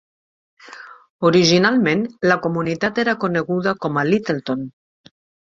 Originalment, la comunitat era coneguda com a "Littleton".